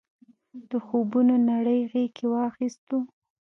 د خوبونو نړۍ غېږ کې واخیستو.